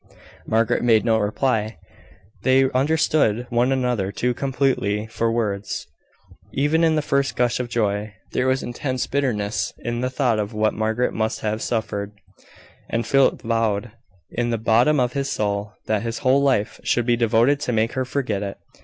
Margaret made no reply. They understood one another too completely for words. Even in the first gush of joy, there was intense bitterness in the thought of what Margaret must have suffered; and Philip vowed, in the bottom of his soul, that his whole life should be devoted to make her forget it.